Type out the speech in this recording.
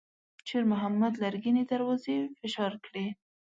شېرمحمد لرګينې دروازې فشار کړې.